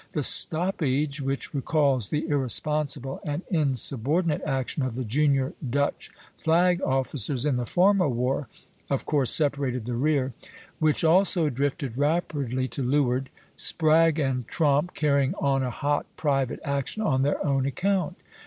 The stoppage, which recalls the irresponsible and insubordinate action of the junior Dutch flag officers in the former war, of course separated the rear (A'', B'', C''), which also drifted rapidly to leeward, Spragge and Tromp carrying on a hot private action on their own account.